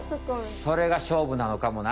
それが勝負なのかもな。